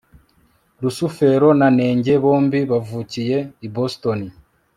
rusufero na nenge bombi bavukiye i boston